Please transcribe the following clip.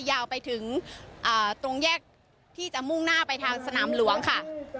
ยาวไปถึงตรงแยกที่จะมุ่งหน้าไปทางสนามหลวงค่ะ